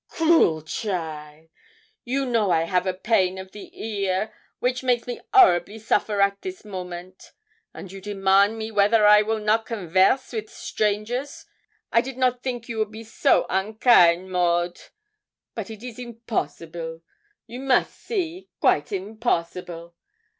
'Cruel cheaile! you know I have a pain of the ear which makes me 'orribly suffer at this moment, and you demand me whether I will not converse with strangers. I did not think you would be so unkain, Maud; but it is impossible, you must see quite impossible.